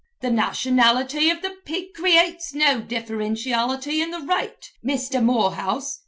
Th' nationality of the pig creates no differentiality in the rate, Misther Morehouse!